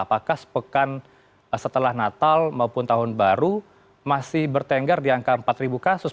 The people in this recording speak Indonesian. apakah sepekan setelah natal maupun tahun baru masih bertenggar di angka empat kasus